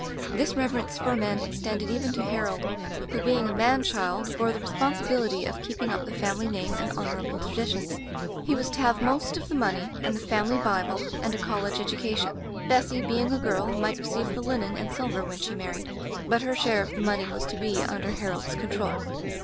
"This reverence for men extended even to Harold, who, being a * man child,' bore the responsibility of keeping up the family name and honorable traditions. He was to have most of the money, and the family Bible, and a college education; Bessy, being a girl, might receive the linen and silver, when she married; but her share of the money was to be under Harold's control.